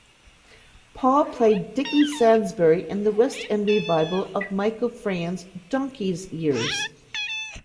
Paul played Dickie Sainsbury in the West End revival of Michael Frayn's "Donkeys' Years".